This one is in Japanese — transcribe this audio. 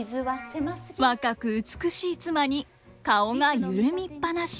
若く美しい妻に顔が緩みっぱなし。